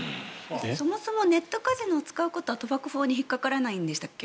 そもそもネットカジノを使うことは賭博法に引っかからないんでしたっけ？